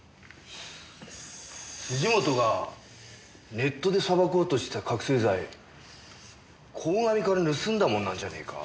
本がネットでさばこうとしてた覚せい剤鴻上から盗んだものなんじゃねえか？